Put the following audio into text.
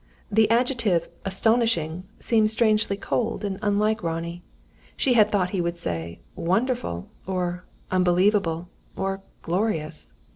The adjective "astonishing" seemed strangely cold and unlike Ronnie. She had thought he would say "wonderful," or "unbelievable," or "glorious."